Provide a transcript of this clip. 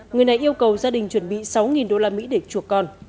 người này yêu cầu gia đình chuẩn bị sáu usd để chuộc con